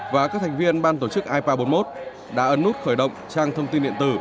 và các thành viên ban tổ chức ipa bốn mươi một đã ấn nút khởi động trang thông tin điện tử